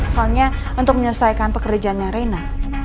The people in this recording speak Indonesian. soalnya untuk menyelesaikan pekerjaannya reina